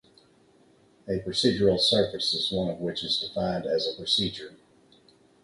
A procedural surface is one which is defined as a procedure.